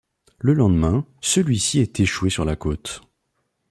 Le lendemain, celui-ci est échoué sur la côte.